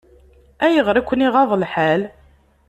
Ayɣer i ken-iɣaḍ lḥal?